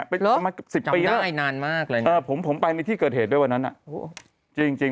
ไปมากกว่า๑๐ปีแล้วผมไปในที่เกิดเหตุด้วยวันนั้นจริง